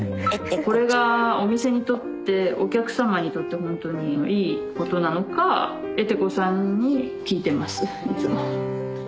これがお店にとってお客さまにとってほんとにいいことなのかエテ子さんに聞いてますいつも。